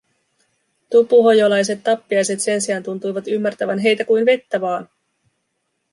Tupuhojolaiset tappiaiset sen sijaan tuntuivat ymmärtävän heitä kuin vettä vaan.